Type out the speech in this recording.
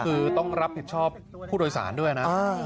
คือต้องรับผิดชอบผู้โดยสารด้วยนะ